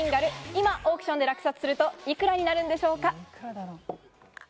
今オークションで落札すると幾らになるんでしょうか？